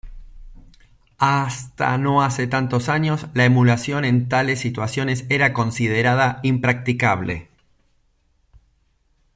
Hasta no hace tantos años, la emulación en tales situaciones era considerada impracticable.